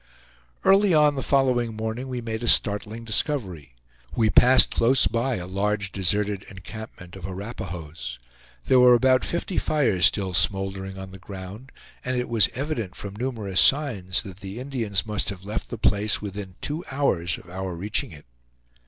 Early on the following morning we made a startling discovery. We passed close by a large deserted encampment of Arapahoes. There were about fifty fires still smouldering on the ground, and it was evident from numerous signs that the Indians must have left the place within two hours of our reaching it.